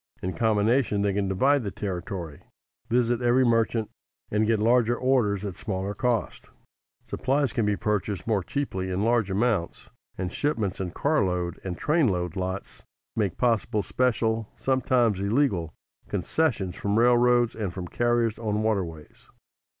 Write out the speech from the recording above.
In combination they can divide the territory, visit every merchant and get larger orders at smaller cost. Supplies can be purchased more cheaply in large amounts, and shipments in car load and train load lots make possible special (sometimes illegal) concessions from railroads and from carriers on waterways.